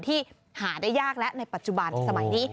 ที่หาได้ยากแล้วในปัจจุบันสมัยนี้